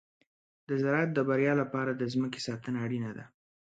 د زراعت د بریا لپاره د مځکې ساتنه اړینه ده.